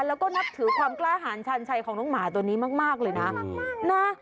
แล้วก็นับถือความกล้าหารชาญชัยของน้องหมาตัวนี้มากเลยนะ